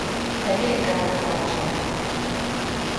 E miren quen atopamos alí!